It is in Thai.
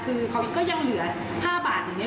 คือเขาก็ยังเหลือ๕บาทอย่างนี้